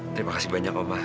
terima kasih banyak oma